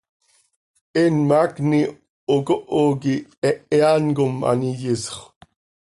Eenm haacni ocoho quih hehe án com an iyisxö.